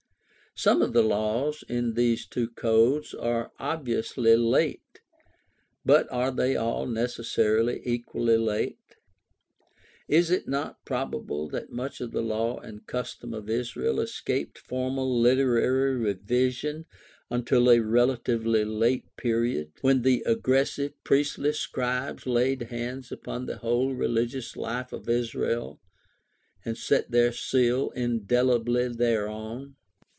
Some of the laws in these two codes are obviously late; but are they all necessarily equally late ? Is it not probable that much of the law and custom of Israel escaped formal literary revision until a relatively late period, when the aggressive priestly scribes laid hands upon the whole religious life of Israel and set their seal indelibly thereon